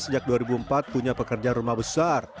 sejak dua ribu empat punya pekerja rumah besar